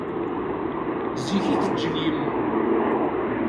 Zik i teǧǧel yemma.